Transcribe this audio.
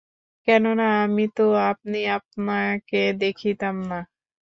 কেননা আমি তো আপনি আপনাকে দেখিতাম না।